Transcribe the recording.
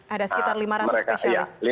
ada sekitar lima ratus spesialis